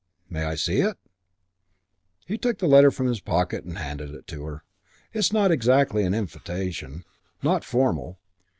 "May I see it?" He took the letter from his pocket and handed it to her. "It's not exactly an invitation not formal."